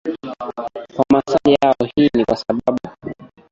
kwa maswali yao Hii ni kwa sababu